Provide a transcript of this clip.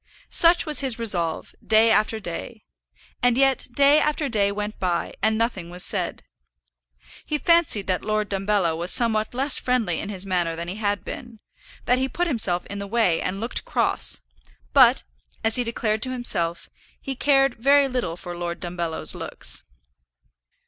Such was his resolve, day after day. And yet day after day went by, and nothing was said. He fancied that Lord Dumbello was somewhat less friendly in his manner than he had been, that he put himself in the way and looked cross; but, as he declared to himself, he cared very little for Lord Dumbello's looks.